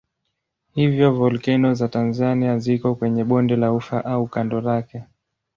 Hivyo volkeno za Tanzania ziko kwenye bonde la Ufa au kando lake.